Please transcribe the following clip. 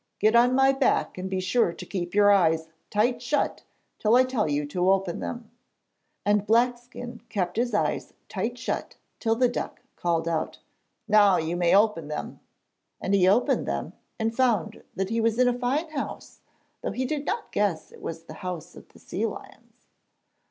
Get on my back and be sure to keep your eyes tight shut till I tell you to open them.' And Blackskin kept his eyes tight shut till the duck called out: 'Now you may open them,' and he opened them and found that he was in a fine house, though he did not guess it was the house of the sea lions.